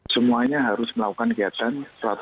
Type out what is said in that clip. semuanya harus melakukan kegiatan